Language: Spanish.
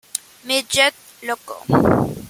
Midget Loco.